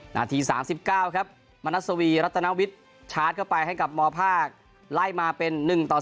หนาที๓๙ครับมศภรักนาวิทย์ชาร์จเข้าไปให้กับมภาคไล่มาเป็น๑๓